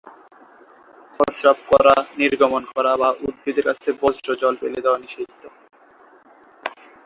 প্রস্রাব করা, নির্গমন করা বা উদ্ভিদের কাছে বর্জ্য জল ফেলে দেওয়া নিষিদ্ধ।